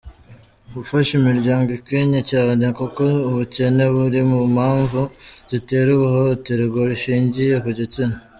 Gufasha imiryango ikenye cyane kuko ubukene buri mu mpamvu zitera ihohoterwa rishingiye ku gitsina.